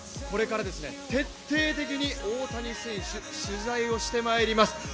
これから徹底的に大谷選手、取材をしてまいります。